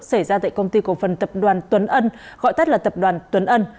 xảy ra tại công ty cổ phần tập đoàn tuấn ân gọi tắt là tập đoàn tuấn ân